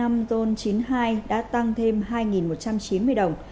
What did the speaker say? tổng cộng mỗi lít xăng e năm ron chín mươi hai đã tăng thêm hai một trăm chín mươi đồng